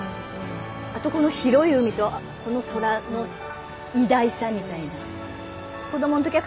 あとこの広い海とこの空の偉大さみたいな。